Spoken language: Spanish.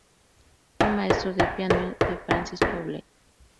Fue maestro de piano de Francis Poulenc.